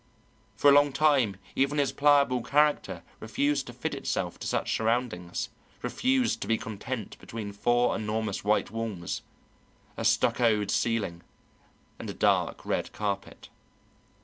For a long time even his pliable character refused to fit itself to such surroundings, refused to be content between four enormous white walls, a stuccoed ceiling, and a dark red carpet.